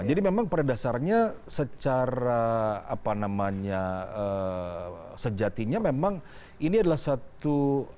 jadi memang pada dasarnya secara sejatinya memang ini adalah satu